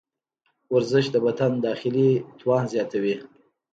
ورزش د بدن داخلي توان زیاتوي.